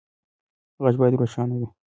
غږ باید روښانه وي.